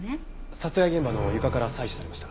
殺害現場の床から採取されました。